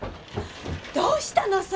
どうしたの！？